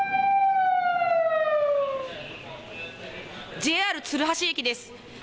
ＪＲ鶴橋駅です。